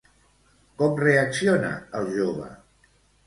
Com reacciona el jove?